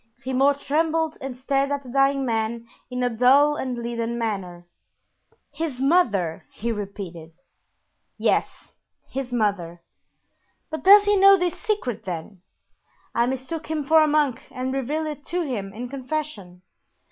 Grimaud trembled and stared at the dying man in a dull and leaden manner. "His mother!" he repeated. "Yes, his mother." "But does he know this secret, then?" "I mistook him for a monk and revealed it to him in confession."